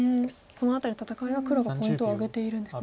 この辺りの戦いは黒がポイントを挙げているんですね。